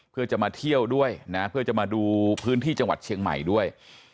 เพื่อจะมาเที่ยวด้วยนะเพื่อจะมาดูพื้นที่จังหวัดเชียงใหม่ด้วย